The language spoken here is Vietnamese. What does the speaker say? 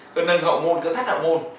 cư nâng hậu môn cư thắt hậu môn